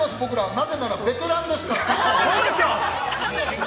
なぜならベテランですから。